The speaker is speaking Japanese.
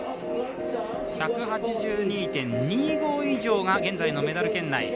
１８２．２５以上が現在のメダル圏内。